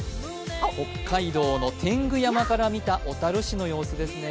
北海道の天狗山から見た小樽市の様子ですね。